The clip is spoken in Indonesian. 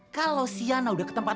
kalau si yana udah ketempat